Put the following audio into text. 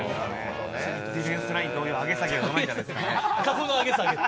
ディフェンスライン同様、上げ下げがうまいんじゃないですか。